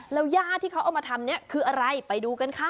แล้วย่าที่เขาเอามาทำเนี่ยคืออะไรไปดูกันค่ะ